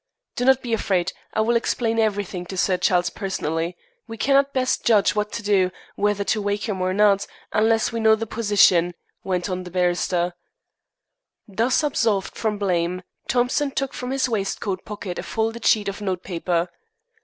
"Do not be afraid. I will explain everything to Sir Charles personally. We cannot best judge what to do whether to wake him or not unless we know the position," went on the barrister. Thus absolved from blame, Thompson took from his waistcoat pocket a folded sheet of notepaper.